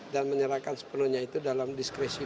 dan menyerahkan sepenuhnya itu dalam diskretion